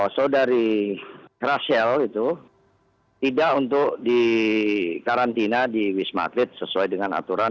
saudari krasel itu tidak untuk dikarantina di wismatrit sesuai dengan aturan